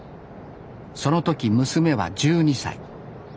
その時娘は１２歳。